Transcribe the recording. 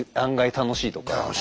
楽しいとか。